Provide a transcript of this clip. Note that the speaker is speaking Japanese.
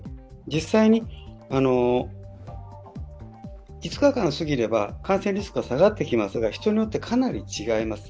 実際に５日間過ぎれば感染リスクは下がってきますが人によってかなり違います。